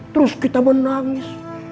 terus kita menangis